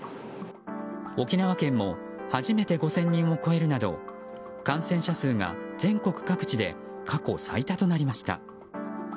沖縄県も初めて５０００人を超えるなど感染者数が全国各地で過去最多となりました。